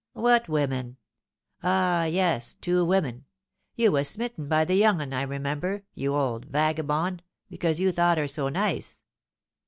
"What women? ah, yes, two women! You was smitten by the young 'un, I remember, you old vagabond, because you thought her so nice."